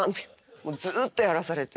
もうずっとやらされて。